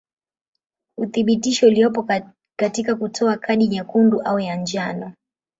Uthibitisho uliopo katika kutoa kadi nyekundu au ya njano.